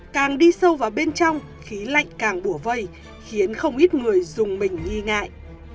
càng đi sâu vào bên trong khí lạnh càng bùa vây khiến không ít người dùng mình nghi ngại